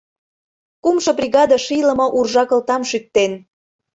Кумшо бригаде шийлыме уржа кылтам шӱктен.